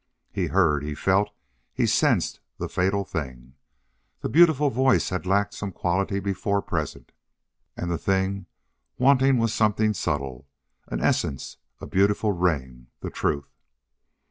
He heard, he felt, he sensed the fatal thing. The beautiful voice had lacked some quality before present. And the thing wanting was something subtle, an essence, a beautiful ring the truth.